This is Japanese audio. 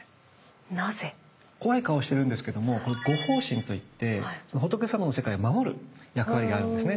怖い顔してるんですけども護法神といって仏さまの世界を守る役割があるんですね。